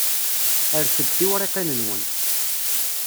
Rret-d tiwriqin-nwen.